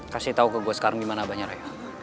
kasih tau ke gua sekarang gimana abahnya raya